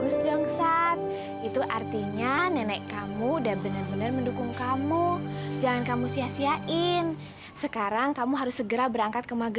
sampai jumpa di video selanjutnya